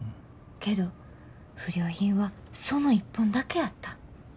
けど不良品はその一本だけやった。